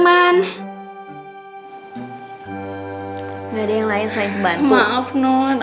dari yang lain saya bantu maaf non anon tadi kan kepepet nggak sengaja ini deh makasih ya mbak